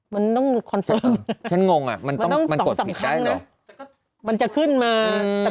มันต้องคอนเฟิร์มฉันงงอ่ะมันต้องมันกดผิดได้หรอมันจะขึ้นมาอืม